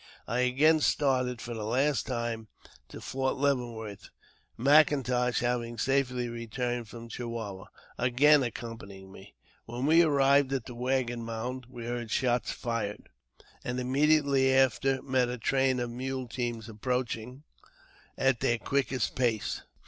I again started, for the last time, to Fort Leavenworth; M'Intosh, having safely returned from Chihuahua, again accompanying me. When we ^—arrived at the Waggon Mound we heard shots fired, and im ^^fcnediately after met a train of mule teams approaching at their I 410 AUTOBIOGBAPHT OF quickest pace.